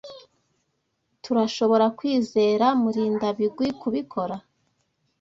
Turashobora kwizera Murindabigwi kubikora?